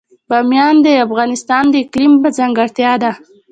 بامیان د افغانستان د اقلیم ځانګړتیا ده.